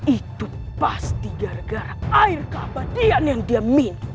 itu pasti gara gara air keabadian yang dia min